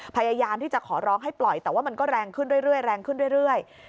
พยายามที่จะขอร้องให้ปล่อยแต่ว่ามันก็แรงขึ้นเรื่อย